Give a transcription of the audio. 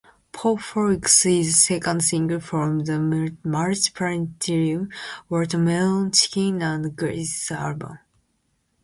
"Po' Folks" is the second single from the multi-platinum "Watermelon, Chicken and Gritz" album.